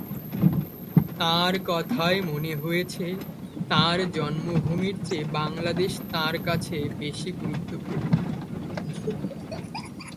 তাঁর কথায় মনে হয়েছে, তাঁর জন্মভূমির চেয়ে বাংলাদেশ তাঁর কাছে বেশি গুরুত্বপূর্ণ।